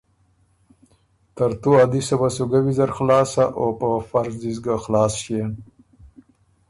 ترتُو ا دِسه وه سو ګۀ ویزر خلاص سۀ او پۀ فرض دی سُو ګۀ خلاص ݭيېن۔